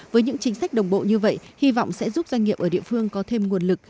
với những chính sách đồng bộ như vậy hy vọng sẽ giúp doanh nghiệp ở địa phương có thêm nguồn lực